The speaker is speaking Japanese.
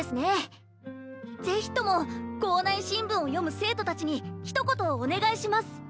是非とも校内新聞を読む生徒たちにひと言お願いします。